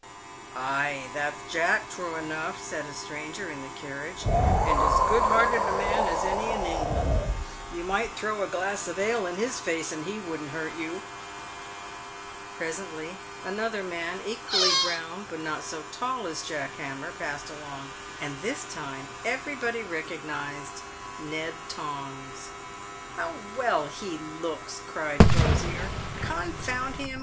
"Ay, that's Jack, true enough," said a stranger in the carriage, " and as good hearted a man as any in England. You might throw a glass of ale in his face, and he wouldn't hurt you." Presently another man, equally brown but not so tall as Jack Hammer, passed along, and this time everybody recognised Ned Tongs. " How well he looks," cried Crosier. " Confound him